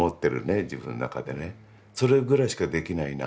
それぐらいしかできないな。